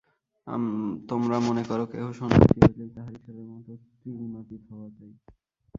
তোমরা মনে কর, কেহ সন্ন্যাসী হইলেই তাহার ঈশ্বরের মত ত্রিগুণাতীত হওয়া চাই।